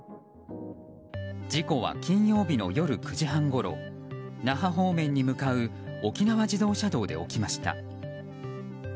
事故は、金曜日の夜９時半ごろ那覇方面に向かう沖縄自動車道で起きました。